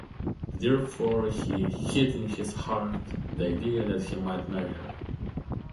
Therefore, he "hid in his heart" the idea that he might marry her.